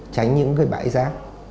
tránh những cái bãi rác